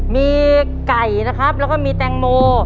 มีไก่นะครับแล้วก็มีแตงโม